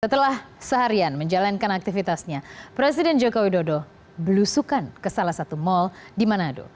setelah seharian menjalankan aktivitasnya presiden joko widodo belusukan ke salah satu mal di manado